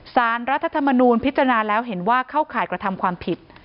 สารรัฐธรรมนูลพิจารณาแล้วเห็นว่าเข้าข่ายกระทำความผิด